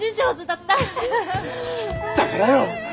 だからよ。